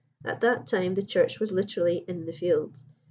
At that time the church was literally in the fields.